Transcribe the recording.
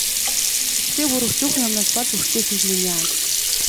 Тэгэхдээ бүр өчүүхэн юмнаас болж үрчийхийг минь яана.